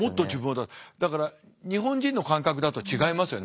だから日本人の感覚だと違いますよね